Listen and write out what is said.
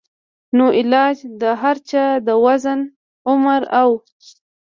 نو علاج د هر چا د وزن ، عمر او